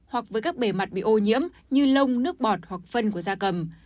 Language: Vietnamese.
hoặc với các bề mặt bị ô nhiễm như lông nước bọt hoặc phân của da cầm